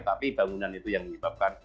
tapi bangunan itu yang menyebabkan